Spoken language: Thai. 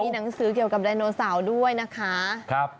หนังสือเกี่ยวกับไดโนเสาร์ด้วยนะคะ